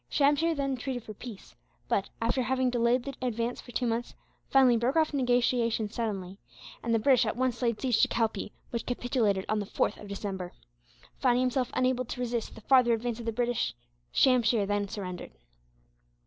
Shamsheer then treated for peace but, after having delayed the advance for two months, finally broke off negotiations, suddenly; and the British at once laid siege to Calpee, which capitulated on the 4th of December. Finding himself unable to resist the farther advance of the British, Shamsheer then surrendered.